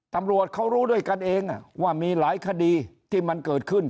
ตำรวจเขารู้ด้วยกันเองว่ามีหลายคดีที่มันเกิดขึ้น